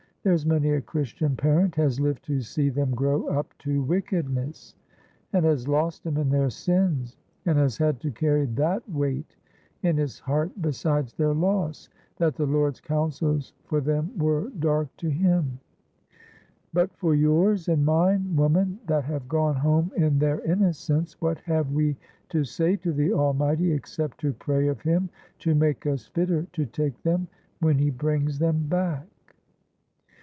There's many a Christian parent has lived to see them grow up to wickedness, and has lost 'em in their sins, and has had to carry that weight in his heart besides their loss, that the Lord's counsels for them were dark to him. But for yours and mine, woman, that have gone home in their innocence, what have we to say to the Almighty, except to pray of Him to make us fitter to take them when He brings them back?"